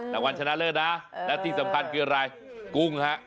แต่วันชนะเลิศนะและที่สำคัญคืออะไรกุ้งฮะ